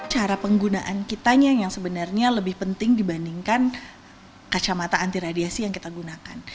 cara penggunaan kitanya yang sebenarnya lebih penting dibandingkan kacamata anti radiasi yang kita gunakan